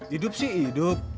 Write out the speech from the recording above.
hidup sih hidup